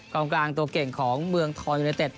กลางกลางตัวเก่งของเมืองทองยูเนเต็ด